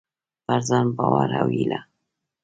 پر ځان باور او هيله: